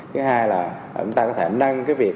thứ hai là chúng ta có thể nâng cái việc